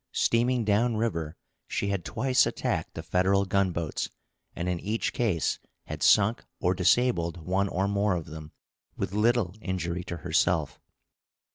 Steaming down river, she had twice attacked the Federal gunboats, and in each case had sunk or disabled one or more of them, with little injury to herself.